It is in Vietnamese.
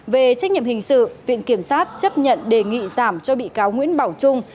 về trách nhiệm hình sự viện kiểm sát chấp nhận đề nghị giảm cho bị cáo nguyễn bảo trung